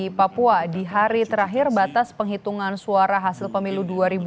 di papua di hari terakhir batas penghitungan suara hasil pemilu dua ribu dua puluh